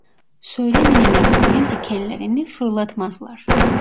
Söylenenin aksine dikenlerini fırlatmazlar.